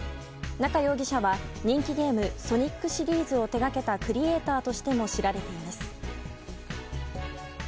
中容疑者は、人気ゲーム「ソニック」シリーズを手掛けたクリエーターとしても知られています。